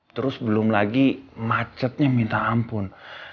terus belum lagi macetnya minta ampun